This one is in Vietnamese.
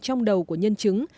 trong đầu của nhân chứng